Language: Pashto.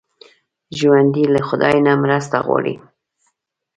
ژوندي له خدای نه مرسته غواړي